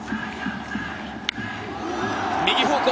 右方向。